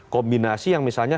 kombinasi yang misalnya